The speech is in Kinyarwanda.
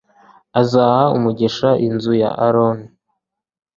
azaha umugisha inzu ya Aroni